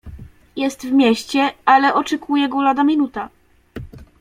"Jest w mieście, ale oczekuję go lada minuta."